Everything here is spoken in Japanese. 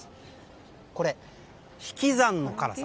これ、引き算の辛さ。